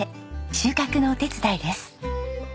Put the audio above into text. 収穫のお手伝いです。